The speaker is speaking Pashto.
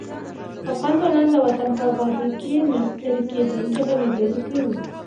افغان ځوانان د وطن په ابادۍ کې نه ستړي کېدونکي هلې ځلې کوي.